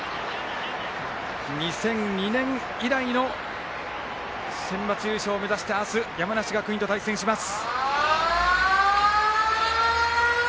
２００２年以来のセンバツ優勝を目指して、明日山梨学院と対戦します。